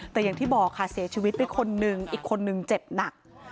แต่อย่างที่บอกค่ะเสียชีวิตไปคนนึงอีกคนนึงเจ็บหนัก